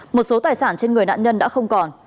một số tài sản trên người nạn nhân đã không còn